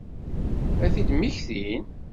Ad t-id-mmektin?